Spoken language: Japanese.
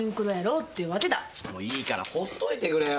もういいからほっといてくれよ。